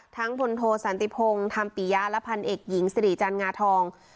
ทั้งธนโทสันติพงธรรมปิยาและพันเอกหญิงสรีจันทร์งาทอง